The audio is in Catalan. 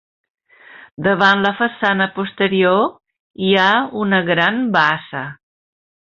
Davant la façana posterior hi ha una gran bassa.